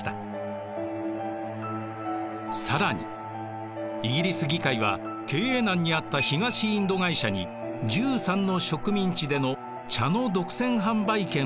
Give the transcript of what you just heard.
更にイギリス議会は経営難にあった東インド会社に１３の植民地での茶の独占販売権を与えます。